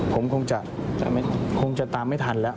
ผมคงจะคงจะตามไม่ทันแล้ว